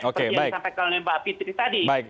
seperti yang disampaikan oleh mbak fitri tadi